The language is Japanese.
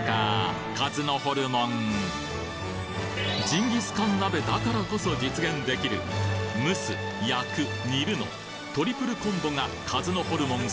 ジンギスカン鍋だからこそ実現できるのトリプルコンボが鹿角ホルモン